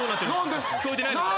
聞こえてないのか？